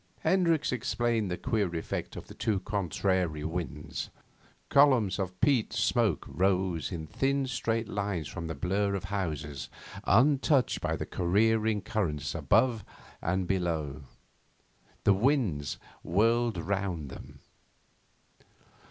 Hendricks explained the queer effect of the two contrary winds. Columns of peat smoke rose in thin straight lines from the blur of houses, untouched by the careering currents above and below. The winds whirled round them.